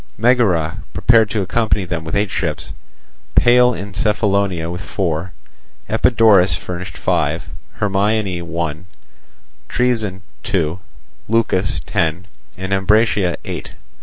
Megara prepared to accompany them with eight ships, Pale in Cephallonia with four; Epidaurus furnished five, Hermione one, Troezen two, Leucas ten, and Ambracia eight.